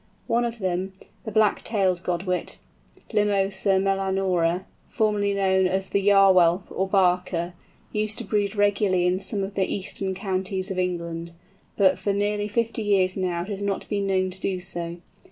One of them, the Black tailed Godwit, Limosa melanura, formerly known as the "Yarwhelp" or "Barker," used to breed regularly in some of the eastern counties of England, but for nearly fifty years now it has not been known to do so.